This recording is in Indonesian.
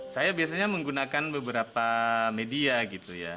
saya biasanya menggunakan beberapa media gitu ya